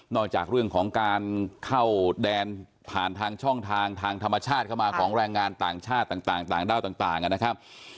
จากเรื่องของการเข้าแดนผ่านทางช่องทางทางธรรมชาติเข้ามาของแรงงานต่างชาติต่างด้าวต่างนะครับ